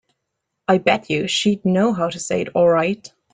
I bet you she'd know how to say it all right.